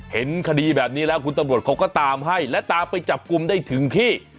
เห็นคดีแบบนี้แล้วคุณตำรวจเขาก็ตามให้และตามไปจับกลุ่มได้ถึงที่